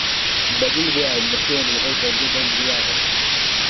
بە دڵ بۆیان دەخوێنم ئەو بەندە بەندی وانە